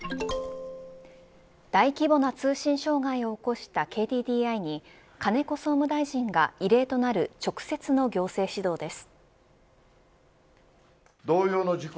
大規模な通信障害を起こしたＫＤＤＩに金子総務大臣が異例となる直接の行政指導です。